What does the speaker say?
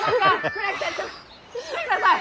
倉木さん来てください！